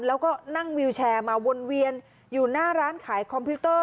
แล้วก็นั่งวิวแชร์มาวนเวียนอยู่หน้าร้านขายคอมพิวเตอร์